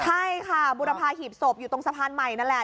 ใช่ค่ะบุรพาหีบศพอยู่ตรงสะพานใหม่นั่นแหละ